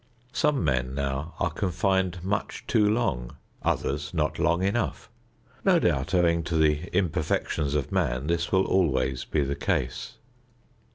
Some men now are confined much too long; others not long enough. No doubt, owing to the imperfections of man, this will always be the case.